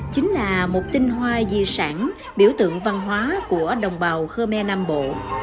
chính là một tinh hoa di sản biểu tượng văn hóa của đồng bào khmer nam bộ